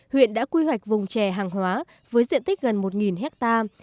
huyện đã quy hoạch vùng trè hàng hóa với diện tích gần một hectare